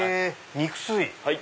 肉吸い！